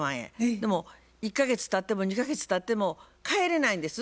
でも１か月たっても２か月たっても帰れないんです。